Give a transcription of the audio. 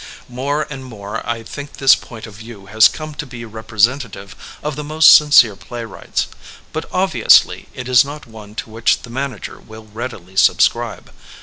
More and more I think this point of view has come to be representative of the most sincere playwrights. But obviously it is not one to which the manager will readily subscribe.